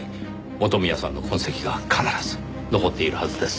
元宮さんの痕跡が必ず残っているはずです。